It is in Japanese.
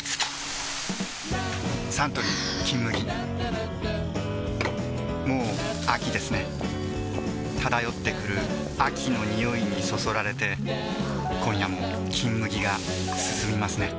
サントリー「金麦」もう秋ですね漂ってくる秋の匂いにそそられて今夜も「金麦」がすすみますね